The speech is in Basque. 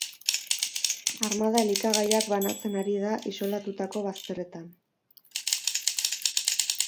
Armada elikagaiak banatzen ari da isolatutako bazterretan.